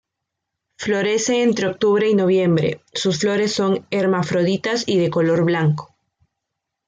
Florece entre octubre y noviembre, sus flores son hermafroditas y de color blanco.